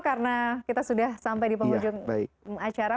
karena kita sudah sampai di penghujung acara